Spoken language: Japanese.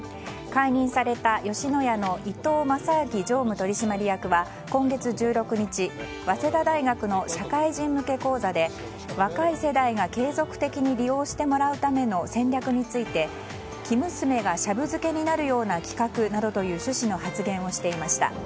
解任された吉野家の伊東正明常務取締役は今月１６日早稲田大学の社会人向け講座で若い世代が継続的に利用してもらうための戦略について生娘がシャブ漬けになるような企画などという趣旨の発言をしていました。